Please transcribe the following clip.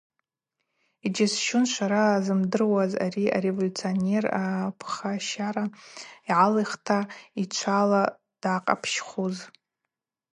Йджьасщун швара зымдыруаз ари ареволюционер апхащара йгӏалихта йчвала данкъапщхуз.